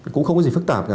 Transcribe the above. cũng không có gì phức tạp cả